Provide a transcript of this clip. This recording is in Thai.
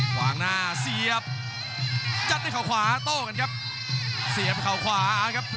ขวางหน้าเสียบยัดด้วยเขาขวาโต้กันครับเสียบเขาขวาครับ